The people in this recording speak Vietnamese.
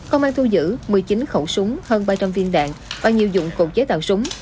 công an thu giữ một mươi chín khẩu súng hơn ba trăm linh viên đạn và nhiều dụng cụ chế tạo súng